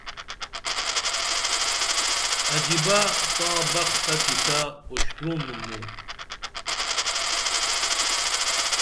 عجبہ تاں بخ تہ قصہ اُشترونُم موں